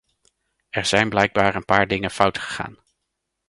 Er zijn blijkbaar een paar dingen fout gegaan.